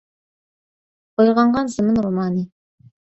«ئويغانغان زېمىن» رومانى